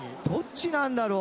どっちだ。